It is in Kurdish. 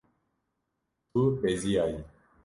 Tu beziyayî.